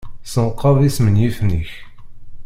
Senqed ismenyifen-ik.